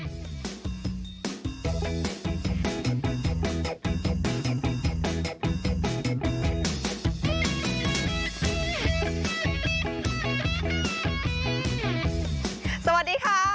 สวัสดีค่ะ